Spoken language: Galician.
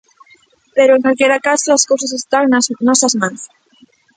Pero en calquera caso, as cousas están nas nosas mans.